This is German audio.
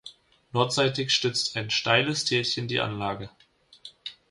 Nordseitig schützt ein steiles Tälchen die Anlage.